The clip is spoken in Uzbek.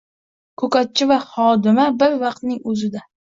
Ko‘katchi va xodima bir vaqtning o‘zida